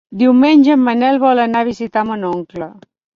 Diumenge en Manel vol anar a visitar mon oncle.